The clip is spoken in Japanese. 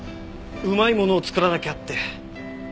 うまいものを作らなきゃって。